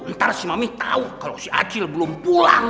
ntar si mami tau kalau si acil belum pulang